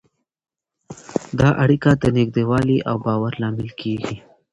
دا اړیکه د نږدېوالي او باور لامل کېږي.